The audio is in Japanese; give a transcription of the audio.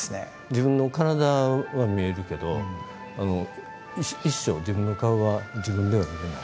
自分の体は見えるけど一生自分の顔は自分では見れない。